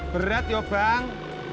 berat yuk bang